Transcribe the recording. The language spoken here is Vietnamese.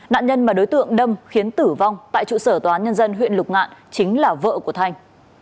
nạn nhân mà đối tượng đâm khiến tử vong tại trụ sở tòa án nhân dân huyện lục ngạn chính là vợ của thanh